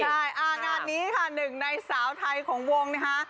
ใช่งานนี้ค่ะหนึ่งในสาวไทยของวงนะคะ